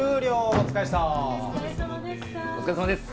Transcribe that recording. お疲れさまです